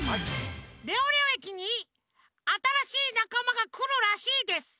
レオレオ駅にあたらしいなかまがくるらしいです。